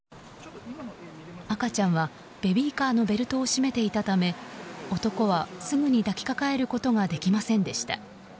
赤ちゃんはベビーカーのベルトを締めていたため男はすぐに抱きかかえることができませんでした。